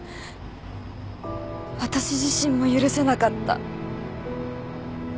私自身も許せなかった。